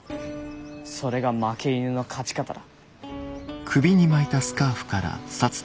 それが負け犬の勝ち方だ。